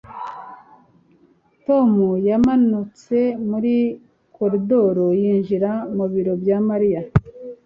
Tom yamanutse muri koridoro yinjira mu biro bya Mariya